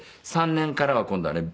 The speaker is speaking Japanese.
３年からは今度はね